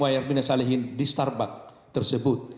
wain mirna salihin di starbucks tersebut